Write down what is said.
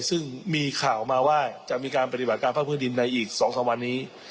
ซึ่งมีข่าวมาว่าจะมีการปฏิบัติการภาคพื้นดินในอีก๒๓วันนี้